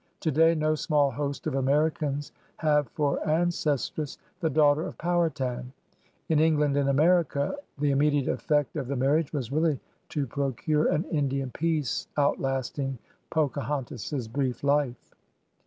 Today no small host of Americans have for ancestress the daughter of Powhatan. In England in America the inmie diate eflFect of the marriage was really to procure an Indian peace outlasting Pocahontas's brief life.